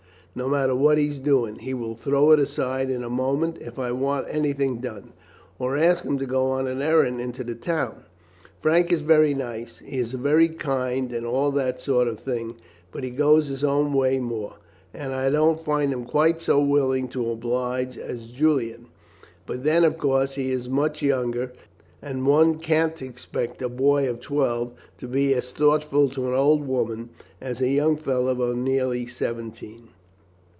No matter what he is doing, he will throw it aside in a moment if I want anything done, or ask him to go on an errand into the town. Frank is very nice, he is very kind and all that sort of thing, but he goes his own way more, and I don't find him quite so willing to oblige as Julian; but then, of course, he is much younger, and one can't expect a boy of twelve to be as thoughtful to an old woman as a young fellow of nearly seventeen."